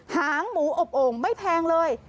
หางหมูอบโอ่งไม่แพงเลย